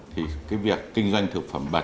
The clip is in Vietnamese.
thì việc kinh doanh thực phẩm bật